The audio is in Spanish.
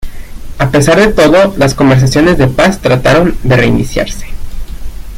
A pesar de todo, las conversaciones de paz trataron de reiniciarse.